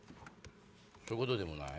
そういうことでもない？